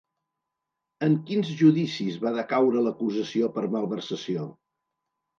En quins judicis va decaure l'acusació per malversació?